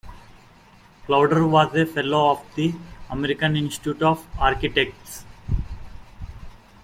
Klauder was a Fellow of the American Institute of Architects.